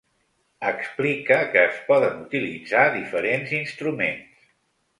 Explica que es poden utilitzar diferents instruments.